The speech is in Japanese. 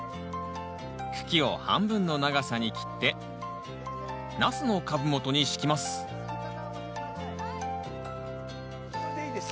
茎を半分の長さに切ってナスの株元に敷きますいいです。